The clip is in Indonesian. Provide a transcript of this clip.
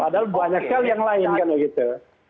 padahal banyak sekali yang lain kan begitu